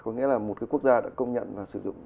có nghĩa là một cái quốc gia đã công nhận và sử dụng